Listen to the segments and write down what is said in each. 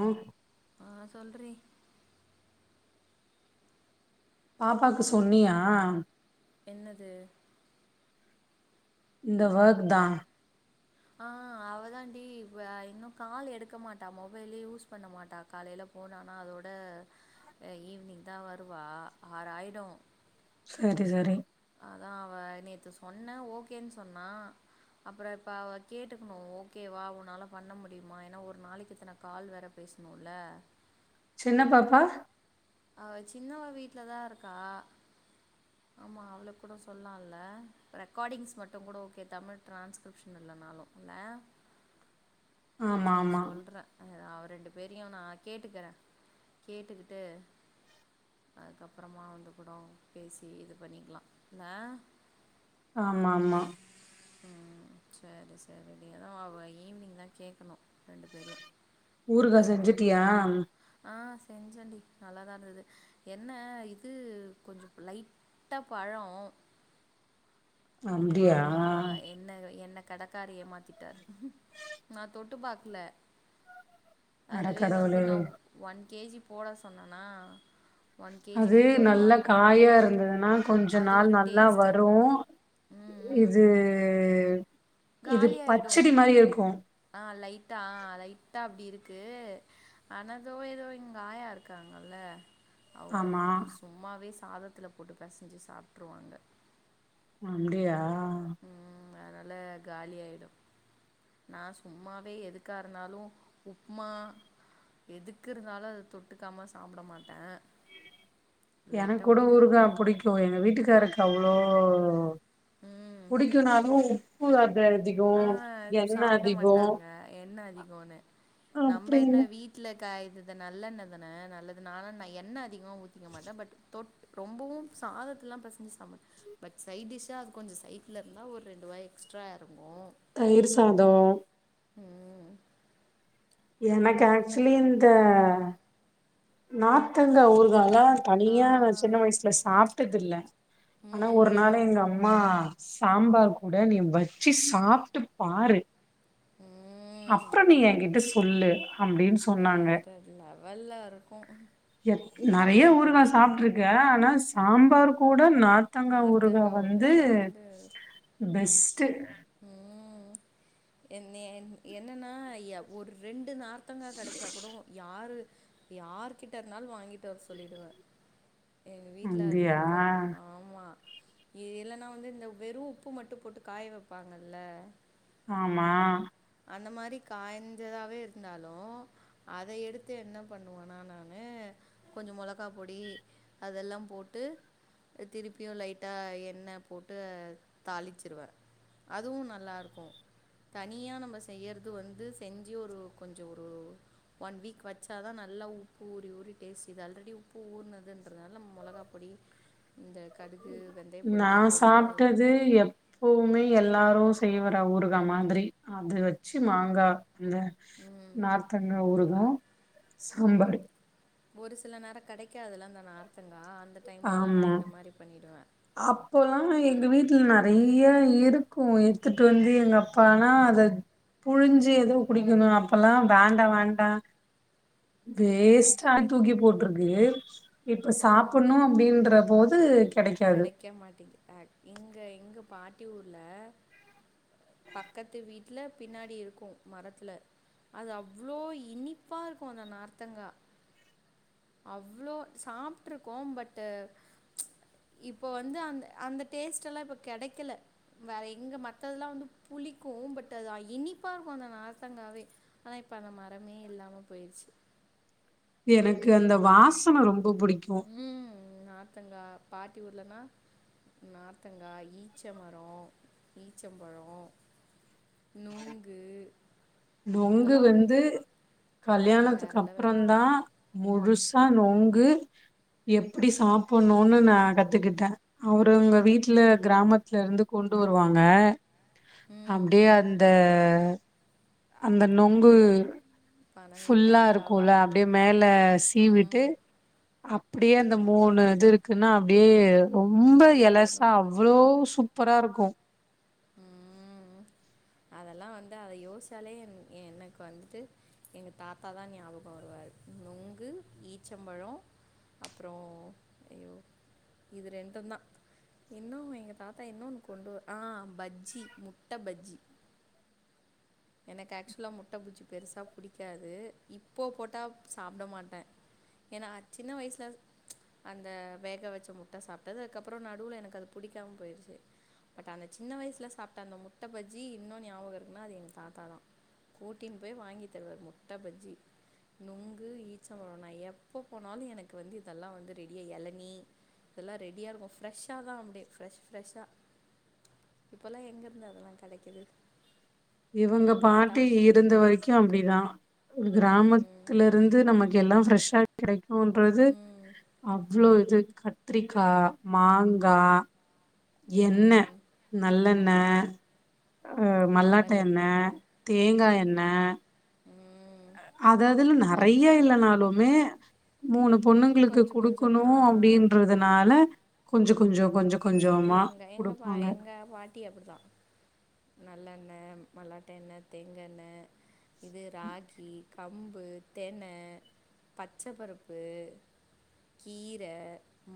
ஓ ஆ சொல்றி பாப்பாக்கு சொன்னியா என்னது இந்த வக்தா ஆ அவதான்டி வே இன்னு கால் எடுக்க மாட்டா மொபைலே யூஸ் பண்ண மாட்டா காலைய்ல போனானா அதோட அ ஈவ்னிங் தா வருவா ஆறாய்டு சரி சரி அதா அவ நேத்து சொன்ன ஓகேன் சொன்னா அப்பற பா கேட்டுக்குணு ஓகேவா உன்னால பண்ண முடியுமா ஏன்னா ஒரு நாளைக்கு இத்தன கால் வேரப் பேஸ்ணுல சின்ன பாப்பா அவ சின்னவ வீட்லதா இருக்கா [inaudible] ஆமா அவள கூட சொல்லால ரெக்காடிங்ஸ் மட்டு கூட ஓகே தமிழ் ட்ரான்ஸ்கிரிப்ஷன் இல்லனாலு ல ஆமா செரி ஆமா சொல்ற ஹ அவ் ரெண்டு பேரையு நா கேட்டுக்கறேன் கேட்டுக்குட்டு அதுக்கப்றமா வந்து குடோ பேசி இது பண்ணிக்லா ல ஆமாம்மா உம் ச்சேரி சரிடீ ஏனா அவ ஈவ்னிங் தா கேக்கணு ரெண்டு பேர்யு ஊருகா செஞ்சுட்டியாம் ஆ செஞ்சன் டி நல்லாதான் ருந்தது என்ன இது கொஞ்சுப் லைட்டா பழொ அப்டியா மாங்கா என்னஅ என்ன கடக்காரி ஏமாத்திட்டார் நா தொட்டு பாக்ல அட அதுவே வந்து கடவுளே நவ் வன் கேஜி போட சொன்னனா அதுவெ நல்ல காயா இருந்ததுன்னா கொஞ்ச அது நாள் ஒரு நல்லா டேஸ்ட்டு வரு ம் ம் இது இது காலியாகிடும் பச்சடி மாரியே இருக்கு ஆ லைட்டா லைட்டா அப்டி இருக்கு அனதோ எதோ எங் ஆயா இருக்காங்கல்ல அவுங் ஆமா வந்ட்டு சும்மாவே சாதத்துல போட்டு பெசஞ்சு சாப்ட்டுருவாங்க அப்டியா ம் அதுனால காலியாய்டு நா சும்மாவே எதுக்கா இருந்தாலு உப்மா எதுக்கிருந்தாலு அது தொட்டுக்காம சாப்பட மாட்டே எனக் கூட ஊறுகா புடிக்கு எங்க வீட்டுக்காருக்கு அவ்ளோ ம் புடிக்குனாலு உப்பு அத அதி ஆ சாப்ட மாட்டாங்க எண்ண அதிகோனு நம்ப என்ன வீட் வீட்ல கா இது இத நல்லெண்ண தான நல்லது நானு தா எண்ண அதிகமா ஊத்திக்க மாட்டே பட்டு தொட் ரொம்பவு சாதத்துலா பெசஞ்சு சாப் மாட் பட் சைட் டிஷ்ஷா அது கொஞ்சோ சைட்ல இருந்தா ஒரு ரெண்டு வாய் எக்ஸ்ட்ரா எறங்கு தயிரு சாதோ ம் எனக் ஆக்சுலி இந்த நாத்தங்க ஊறுகால ஆ தனியா நா சின்ன வய்சுல சாப்ட்டதில்ல ஆனா ம் ஒரு ம் நாளு எங் அம்மா சாம்பார் கூட நீ வெச்சி சாப்ட்டு பாரு ம் அப்றோ நீ எங்கிட்ட சொல்லு அப்டின்னு சொன்னாங்க வேற லெவல்லருக்கு எத் நறைய ஊறுகா சாப்ட்ருக்கே ஆனா சாம்பார் கூட நாத் தங்கா ஊறுகா நார்த்தங்கா வந்து ஊறுகால்லா வந்து பெஸ்ட்டு ம் என் நீ என் என்னன்னா ய ஒர் ரெண்டு நார் த்தங்கா கெடைச்சா கூடவு யாரு யார்கிட்ட இருந்தாலு வாங்கிட்டு வர சொல்லிடுவே எங்க வீட்ல அது அப்டியா இருக்கு ஆ மா இ இல்லன்னா வந்து இந்த வெறு உப்பு மட்டு போட்டு காய வெப்பாங்கல்ல ஆமா அந்த மாரி காஞ்சதாவே இருந்தாலு அத எடுத்து என்ன பண்ணுவனா நானு கொஞ்ச மொளகா பொடி அதெல்லா போட்டு திருப்பியு லைட்டா எண்ண போட்டு தாளிச்சிருவே அதுவு நல்லாருக்கு தனியா நம் ப செய்யற்து வந்து செஞ்சி ஒரு கொஞ்சோ ஒரு ஒன் வீக் வச்சா தா நல்லா உப்பு ஊறி ஊறி டேஸ்ட்டு இது ஆல்ரெடி உப்பு ஊர்னதுன்றதுனால் நம் மொளகாப் பொடி இந்த கடுகு வெந்தய நா பொடில்லா போடும்போது அது சாப்ட்டது நல்லாருக்கு எப்பவுமே எல்லாரு செய்வற ஊறுகா மாதிரி அது வெச்சி மாங்கா அந்த ம் ம் நார்த்தங்கா ஊறுகா ம் சாம்பாரு ஒரு சில நேரோ கெடைக்காதுல்ல அந்த நார்த்தங்கா அந்த டைம்லல்லா நா இந்த மாரி பண்ணிடுவே அப்போலா எங்க வீட்ல நெறையா இருக்கு எடுத்துட்டு வந்து எங்க அப்பாலா அத புழிஞ்சி எதோ குடிக்கணு அப்பல்லா வேண்டா வேண்டா ம் வேஸ்ட்டா தூக்கி போட்ருக்கு இப்ப சாப்பட்ணு அப்டி ன்ற போது கெடைக் கெடைக்க மாட்டிக்குது அ இங்க எங்க பாட்டி ஊர்ல பக்கத்து வீட்ல பின்னாடி இருக்கு மரத்துல அது அவ்ளோ இனிப்பா இருக்கு அந்த நார்த்தங்கா அவ்ளோ சாப்ட்ருக்கோ பட்டு இப்போ வந்து அந்த அந்த டேஸ்ட்டெல்லா இப்ப கெடைக்கல வேற எங்க மத்ததெல்லா வந்து புளிக்கு பட் அது இனிப்பா இருக்கு அந்த நார்த்தங்காவே ஆனா இப்ப அந்த மரமே இல்லாம போயிருச்சு எனக்கு அந்த வாசன ரொம்ப புடிக்கு ம் நார்த்தங்கா பாட்டி ஊர்லனா நார்த்தங்கா ஈச்ச மர ஈச்சம்பழ நுங்கு நொங்கு வந்து வேற கல்யாணத்துக்கு லெவல். அப்றந்தா முழுசா நொங்கு எப்டி சாப்பிட்ணுனு நா கத்துக்கிட்டே அவரு அவ்ங்க வீட்ல கிராமத்துல இருந்து கொண்டு வருவாங்க ம், அப்டியே ம். அந்த அந்த நொங்கு பனங்க ஃபுல்லா பனங்காவா. இருக்குல்ல அப்டியே மேல சீவிட்டு ம். அப்டியே அந்த அதெல்லாம் மூணு அப்டியே இது இருக் குனா அப்டியே ரொம்ப எலசா ஊறிரணும். அவ்ளோ சூப்பரா இருக்கு ம் அதெல்லா வந்து அத யோசாலே என் எனக்கு வந்துட்டு எங்க தாத்தாதா ஞாபக வருவாரு நொங்கு ஈச்சம்பழ அப்றோ ஐயோ இது ரெண்டுந்தா இன்னும் எங்க தாத்தா இன்னொன்னு கொண்டு வர் ஆ பஜ்ஜி முட்ட பஜ்ஜி எனக்கு ஆக்சுவலா முட்ட பஜ்ஜி பெருசா புடிக்காது இப்போ போட்டா சாப்ட மாட்டே ஏனா சின்ன வயசுல அந்த வேக வெச்ச முட்ட சாப்ட்டது அதுக்கப்பற நடுவுல எனக்கு அது புடிக்காம போயிருச்சு பட் ஆனா சின்ன வயசுல சாப்ட்ட அந்த முட்ட பஜ்ஜி இன்னு ஞாபக இருக்குனா அது எங்க தாத் தாதா கூட்டின்னு போயி வாங்கி தருவாரு முட்ட பஜ்ஜி நொங்கு ஈச்சம்பழ நா எப்ப போனாலு எனக்கு வந்து இதெல்லா வந்து ரெடியா எளநீ இதெல்லா ரெடியா இருக்கு ஃப்ரெஷ்ஷா தா அப்டியே ஃப்ரெஷ் ஃப்ரெஷ்ஷா இப்பலா எங்கருந்து அதெல்லா கெடைக்குது இவுங்க பாட்டி இவ் இருந்த வரைக்கு அப்டிதா ம், கிராமத்துலருந்து நமக்கு எல்லா ஃப்ரெஷ்ஷா கெடைக் குன்றது ம் அவ்ளோ இது கத்ரிக்கா மாங்கா எண்ணெ ம் நல்லண்ணெ அ மல்லாட்ட எண்ணெ தேங்கா ம் எண்ணெ ம் அததுல நெறைய இல்லனாலுமே மூணு பொண்ணுங்களுக்கு கொஞ்சோ கொஞ்சோ குடுக்கணு ஆ அப்டின்றதுனால கொஞ்ச கொஞ்ச கொஞ்ச அப்ப கொஞ்சமா எங்க எங்க பா குடுப்பாங்க எங்க பாட்டி அப்டிதா நல்லெண்ணெ மல்லாட்ட எண்ணெ தேங்காண்ணெ இது ராகி கம்பு தென பச்சப்பருப்பு கீர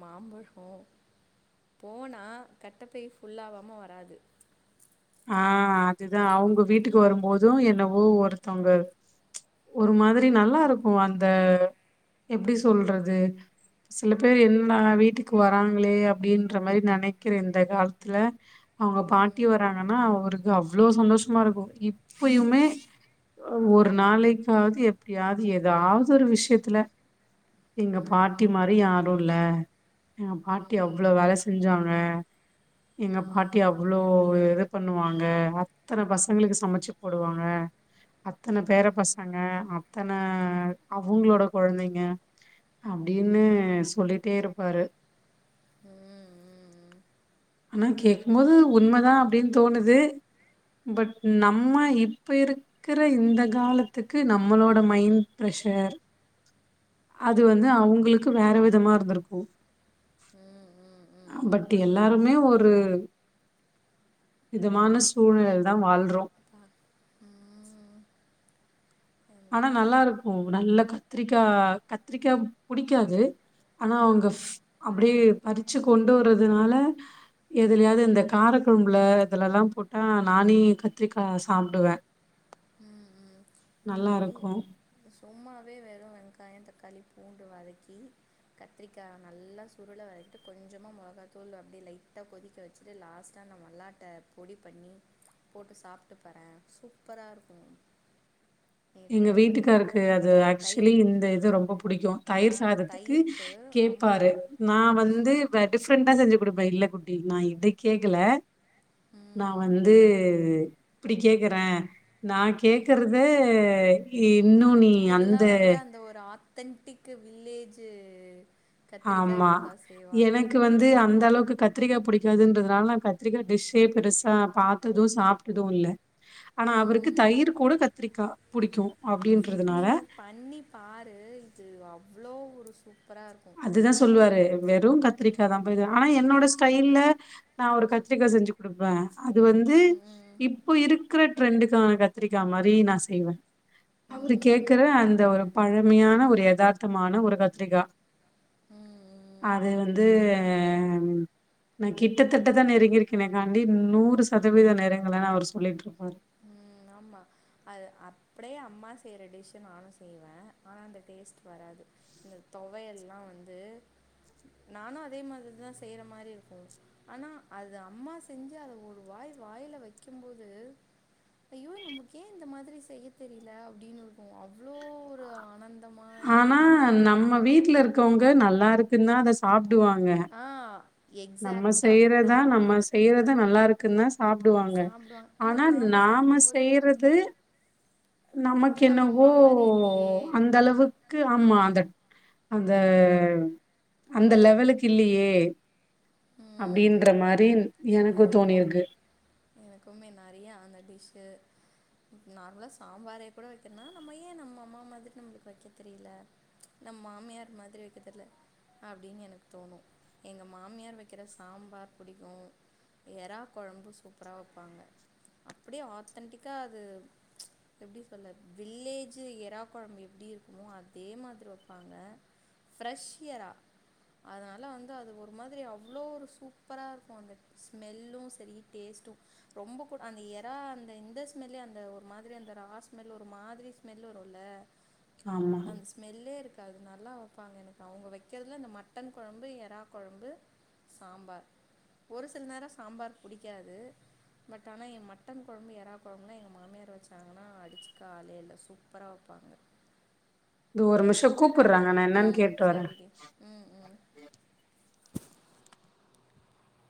மாம்பழோ போனா கட்டப்பை ஃபுல்லாவாம வராது ஆ அதுதா அவுங்க வீட்டுக்கு வரும்போது என்னவோ ஒருத்தவ்ங்க ஒரு மாதிரி நல்லாருக்கு அந்த எப்டி சொல்றது சில பேரு என்னடா வீட்டுக்கு வராங்களே அப்டின்ற மாரி நெனைக்கிற இந்த காலத்துல அவுங்க பாட்டி வராங்கனா அவருக்கு அவ்ளோ சந்தோஷமா இருக்கு இப்பயுமே அ ஒரு நாளைக்காவ்து எப்டியாது எதாவ்து ஒரு விஷ்யத்துல எங்க ம் பாட்டி மாரி யாரு ரோடுல எ பாட்டி ம் அவ்ளோ வேல செஞ்சாங்க எங்க பாட்டி ம் அவ்ளோ ஒரு இது பண்ணுவாங்க அத்தன பசங்களுக்கு சமச்சு போடுவாங்க அத்தன பேர பசங்க அத்தன அவுங்களோட கொழந்தங்க அப்டினு சொல்லிட்டே இருப்பாரு ம் ம் ம் ஆனா கேக்குபோது உண்மதா அப்டின் தோணுது பட் நம்ம இப்ப இருக் கிற இந்த காலத்துக்கு நம்மளோட மைண்ட் ஃப்ரெஷர் அது வந்து அவுங்களுக்கு வேற விதமா இருந்துருக்கு ம் ம் ம் டி எல்லாருமே ஒரு விதமான சூழ்நிலைலதா வாழ்றோ ம் ம் ம் ஆனா என்னவோ நல்லா இருக்கு நல்ல கத்திரிக்கா கத்திரிக்கா புடிக்காது ஆனா அவுங்க ஃப் அப்டியே பறிச்சு கொண்டு வர்றதுனால எதுலயாது இந்த காரக்கொழம்புல இதுலல்லா போட்டா நானே கத்திரிக்கா சாப்டுவே ம் ம் நல்லா நீ ருக்கு சும்மாவே வெறு வெங்காயோ தக்காளி பூண்டு வதக்கி கத்திரிக்கா நல்லா சுருள வரேட்டு கொஞ்சமா மொளகா தூளு அப்டி லைட்டா கொதிக்க வ ச்சுடு லாஸ்ட்டா நா மல்லாட்ட பொடி பண்ணி போட்டு சாப்ட்டு பாறே சூப்பரா ருக்கு நீ ட்ரை பண்ணிர் து அது ஆக்சுவலி இந்த இது ரொம்போ புடிக்கு ஆ தயிர் சாதத்துக்கு தயிருக்கு ஆமாம் கேப்பாரு நா வந்து சூப் வ டிஃப் டிஃப்ரெண்டா செஞ்சி குடுப்பே இல்ல குட்டி நா இது கேக்கல நா ம், வந்து இப்டி கேக்குறே நா கேக்குற து இன்னு நீ அந்த இதெல்லாம் வந்து அந்த ஒரு ஆத்தன்டிக்கு வில்லேஜு கத்திரிக்கா இப்டி தா செய்வாங்க இது அந்த அளவுக்கு கத்திரிக்கா பிடிக்காதுன்றதுனால நா கத்திரிக்கா டிஷ்சே பெருசா பாத்தது சாப்டது இல்ல ஆனா ம் அவருக்கு ம் தயிர் கூட கத்திரிக்கா புடிக்கு சூப் நீ அப்டின்றதுனால பண்ணி பாரு இது அவ்ளோ ஒரு சு அதுதா சொல்லுவாரு வெறு கத்திரிக்கா தா பா இது ஆனா என்னோட ஸ்டைல்ல நா ஒரு கத்திரிக்கா செஞ்சி குடுப்பே அது வந்து ம் ம் ம் இப்ப இருக்கிற ட்ரெண்டுக்கான கத்திரிக்கா மாரி நா செய்வே அவரு கேக்குற ம் அந்த ஒரு பழமையான ஒரு யதார்த்தமான ஒரு கத்திரிகா ம் ம் அது வந்து அம் நா கிட்டத்தட்டதா நெருங்கியிருக்க கேனக்காண்டி நூறு சதவீதோ நெருங்களனு அவர் சொல்லிட்டு இருப்பாரு ம் ஆமா அது அப்டியே அம்மா செய்யற டிஷ் அ நானு செய்வே ஆனா அந்த டேஸ்ட் வராது இந்த தொவயெல்லா வந்து நானு அதே மாதிரிதா செய்ற மாரி இருக்கு ஆனா அது அம்மா செஞ்சு அத ஒரு வாய் வாயில வைக்குபோது ஐயோ நமக்கே இந்த மாதிரி செய்ய தெரியல அப்டின்னு ஒரு அவ்ளோ ஒரு ஆனந்தமா இனிமையா நம் வீட்ல இருக்கவங்க நல்லா இருக்குன் தா அத சாப்டுவாங்க ஆ நம்ம எக்ஸாக்ட்டா செய்றதா நம் நம்ம செய்றதா நல்லா இருக்குன்னா சாப்டுவாங்க ஆனா நாம செய்றது நமக்கு நம்ம என்னவோ அம்மா மாரி இல்லியே அந்த அளவு க்கு ஆமா அந்த அந்த அந்த லெவலுக்கு இல்லேயே ம் அப்டின்ற மாரின் இருக்கு எனக்குமே நெறையா அந்த டிஷ்சு நார்மலா சாம்பாரே கூட வக்கன்னா நம்ம ஏன் நம்ம அம்மா மாதிரி நம்மளுக்கு வைக்க தெரியல நம் மாமியார் மாதிரி வக்கத் தெர்ல அப்டின்னு எனக்கு தோணூ எங்க மாமியார் வக்கிற சாம்பார் பிடிக்கு எரா கொழம்பு சூப்பரா வப்பாங்க அப்டியே ஆத்தன்டிக்கா அது எப்டி சொல்ல வில்லேஜ் எரா கொழம்பு எப்டி இருக்குமோ அதே மாதிரி வப்பாங்க ஃப்ரெஷ் எரா அதனால வந்து அது ஒரு மாதிரி அவ்ளோ ஒரு சூப்பராக இருக்கு அந்த ஸ்மெல்லு சரி டேஸ்ட்டும் ரொம்ப கூட அந்த எரா அந்த இந்த ஸ்மெல்லே அந்த ஒரு மாதிரி அந்த ரா ஸ்மெல் ஒரு மாதிரி மெல்லுருல்ல ஆமா ஸ்மெல்லே இருக்காது நல்லா வப்பாங்க எனக்கு அவங்க வக்கிறதுல இந்த மட்டன் கொழம்பு எரா கொழம்பு சாம்பார் ஒரு சில நேரோ சாம்பார் பிடிக்காது பட் ஆனா ஏ மட்டன் கொழம்பு எரா கொழம்புனா எங்க மாமியார் வச்சாங்கனா அடிச்சுக்க ஆளே இல்ல சூப்பரா வப்பாங்க இது ஒரு நிமிஷம் கூப்புறாங்க நா என்னன்னு ம் கேட்டு வரே சரிடி ம் ம்